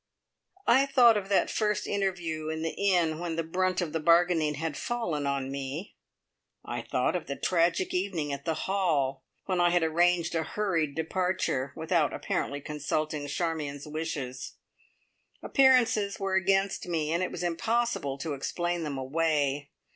I thought of that first interview in the inn when the brunt of the bargaining had fallen on me; I thought of the tragic evening at the "Hall," when I had arranged a hurried departure, without apparently consulting Charmion's wishes. Appearances were against me, and it was impossible to explain them away.